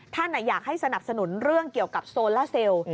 ท่านอยากให้สนับสนุนเรื่องเกี่ยวกับโซล่าเซลล์